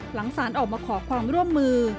หลังศาลออกมาขอความร่วมมือ